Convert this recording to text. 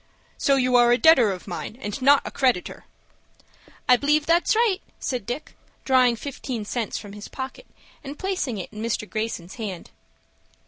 So you are a debtor of mine, and not a creditor?" "I b'lieve that's right," said Dick, drawing fifteen cents from his pocket, and placing in Mr. Greyson's hand.